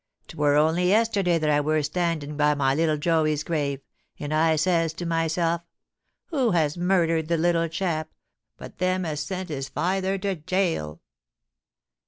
'Twere only yesterday that I wur standing by my little Joey's grave, and I says to myself, " Who has murdered the little chap, but them as sent his feyther to gaol